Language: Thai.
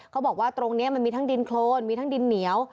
เขาบอกว่าตรงนี้มันมีทั้งดินโครนมีทั้งดินเหนียว